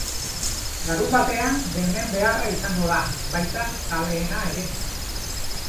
Larunbatean denen beharra izango da, baita zaleena ere.